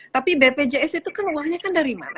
tapi bpjs itu kan uangnya kan dari mana